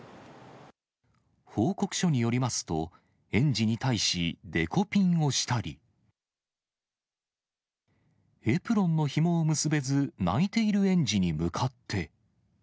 報告書によりますと、園児に対しデコピンをしたり、エプロンのひもを結べず、泣いている園児に向かって。